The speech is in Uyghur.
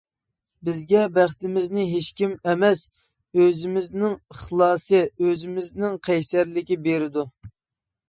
بىزگە بەختىمىزنى ھېچكىم ئەمەس، ئۆزىمىزنىڭ ئىخلاسى، ئۆزىمىزنىڭ قەيسەرلىكى بېرىدۇ.